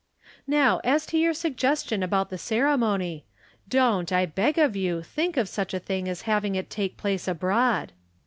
Now, as to your suggestion about the cere mony, don't, I beg of you, think of such a thing as having it take place abroad.